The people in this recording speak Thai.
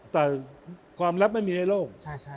แต่ความลับไม่มีให้โลก